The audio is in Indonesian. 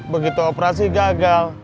begitu operasi gagal